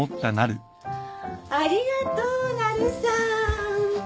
ありがとうなるさん。